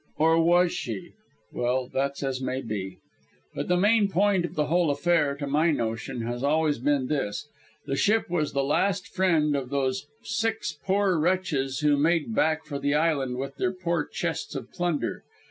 Or was she well, that's as may be. But the main point of the whole affair, to my notion, has always been this. The ship was the last friend of those six poor wretches who made back for the island with their poor chests of plunder.